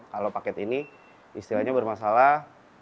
kalau paket ini istilahnya bermasalah